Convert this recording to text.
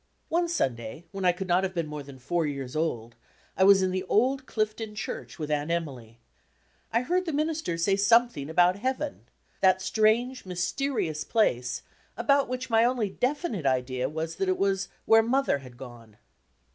One Sunday, when I could not have been more than four years old, I was in the old Clifton Church with Aunt Emily. I heard the minister say something about Heaven that strange, mysterious place about which my only definite idea was that it was "where Mother had gone."